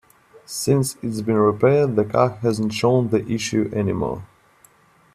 Since it's been repaired, the car hasn't shown the issue any more.